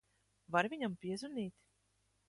Vari viņam piezvanīt?